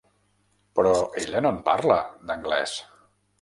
Però ella no en parla, d'anglès.